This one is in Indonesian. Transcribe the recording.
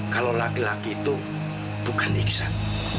kalau laki laki itu bukan iksan